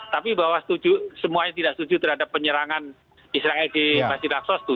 tapi bahwa setuju semuanya tidak setuju terhadap penyerangan israel di masjid aksos